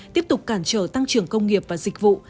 tiếp tục cản trở tăng trưởng công nghiệp và dịch vụ